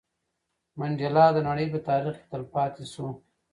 منډېلا د نړۍ په تاریخ کې تل پاتې شو.